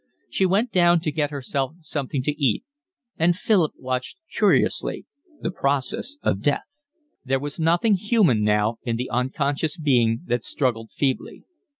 She went down to get herself something to eat, and Philip watched curiously the process of death. There was nothing human now in the unconscious being that struggled feebly.